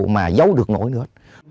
mà giấu được nổi nữa